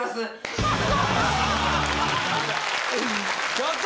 ちょっと！